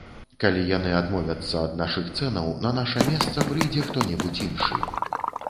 Калі яны адмовяцца ад нашых цэнаў, на наша месца прыйдзе хто-небудзь іншы.